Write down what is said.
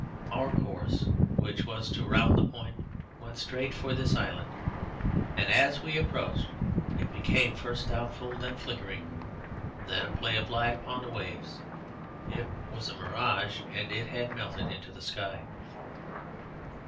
Our course, which was to round the point, went straight for this island, and, as we approached, it became first doubtful, then flickering, then a play of light upon the waves. It was a mirage, and it had melted into the air.